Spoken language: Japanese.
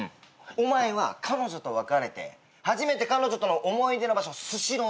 お前は彼女と別れて初めて彼女との思い出の場所スシローに来た。